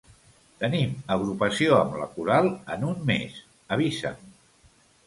Tenim agrupació amb la coral en un mes, avisa'm.